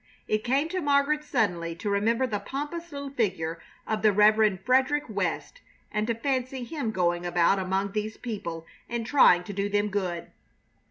It came to Margaret suddenly to remember the pompous little figure of the Rev. Frederick West, and to fancy him going about among these people and trying to do them good.